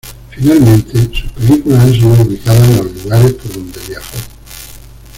Finalmente, sus películas han sido ubicadas en los lugares por donde viajó.